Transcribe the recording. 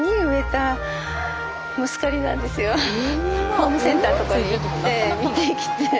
ホームセンターとかに行って見てきて。